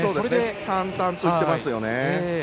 淡々といってますよね。